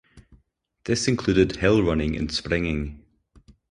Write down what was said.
This included hill running and springing.